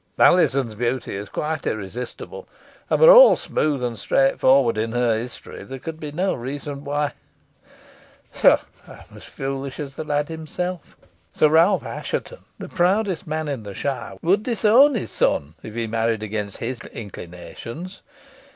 Alizon's beauty is quite irresistible, and, were all smooth and straightforward in her history, there could be no reason why pshaw! I am as foolish as the lad himself. Sir Richard Assheton, the proudest man in the shire, would disown his son if he married against his inclinations.